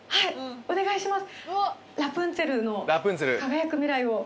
お願いします。